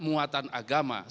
sementara dalam pernegaraan